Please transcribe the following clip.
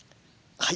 はい。